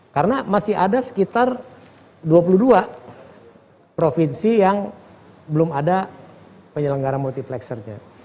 karena masih ada sekitar dua puluh dua provinsi yang belum ada penyelenggara multiplexernya